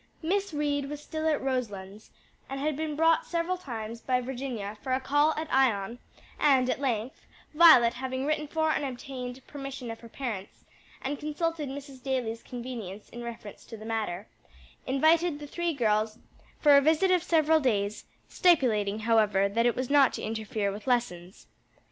Miss Reed was still at Roselands, and had been brought several times by Virginia for a call at Ion, and at length, Violet having written for and obtained permission of her parents, and consulted Mrs. Daly's convenience in reference to the matter, invited the three girls for a visit of several days, stipulating, however, that it was not to interfere with lessons.